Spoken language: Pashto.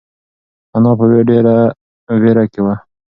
انا په ډېره وېره کې وه.